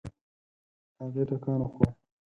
هغې ټکان وخوړ.